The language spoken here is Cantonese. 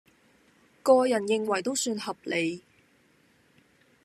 個人認為都算合理